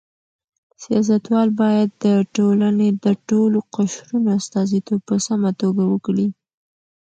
سیاستوال باید د ټولنې د ټولو قشرونو استازیتوب په سمه توګه وکړي.